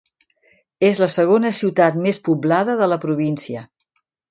És la segona ciutat més poblada de la província.